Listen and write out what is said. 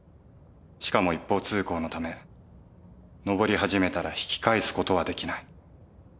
しかも一方通行のため上り始めたら引き返す事はできない。